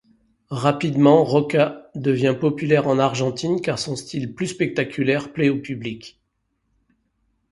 Rapidement Rocca devient populaire en Argentine car son style plus spectaculaire plait au public.